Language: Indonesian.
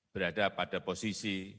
berada pada posisi